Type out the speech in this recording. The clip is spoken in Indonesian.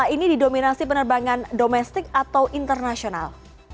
ini didominasi penerbangan domestik atau internasional